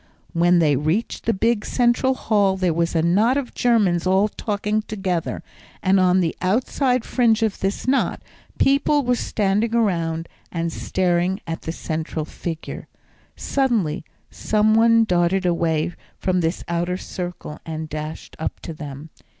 When they reached the big central hall there was a knot of Germans all talking together, and on the outside fringe of this knot, people were standing around and staring at the central figure. Suddenly some one darted away from this outer circle and dashed up to them.